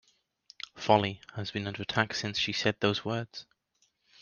Foley has been under attack since she said those words.